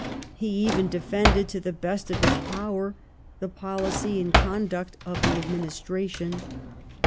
He even defended to the best of his power the policy and conduct of the administration.